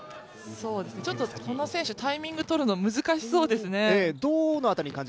この選手、タイミングとるの難しそうですね。